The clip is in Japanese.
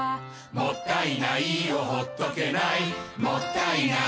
「もったいないをほっとけない」「もったいないをほっとけない」